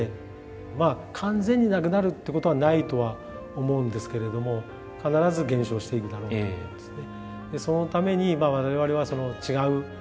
まあ完全になくなるってことはないとは思うんですけれども必ず減少していくだろうと思うんですね。